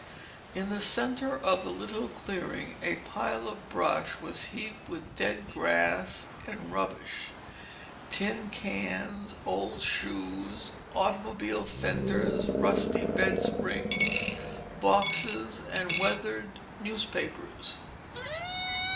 In the center of the little clearing a pile of brush was heaped with dead grass and rubbish,—tin cans, old shoes, automobile fenders, rusty bed springs, boxes and weathered newspapers.